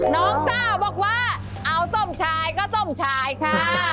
น้องเต๋าบอกว่าเอาสมชายก็สมชายค่ะ